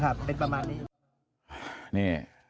นะครับเป็นประมาณนี้